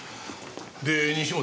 で西本。